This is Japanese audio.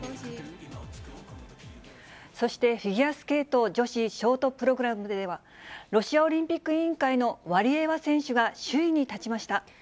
そしてフィギュアスケート女子ショートプログラムでは、ロシアオリンピック委員会のワリエワ選手が首位に立ちました。